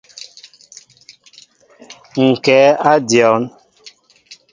Ŋ kɛ a dion.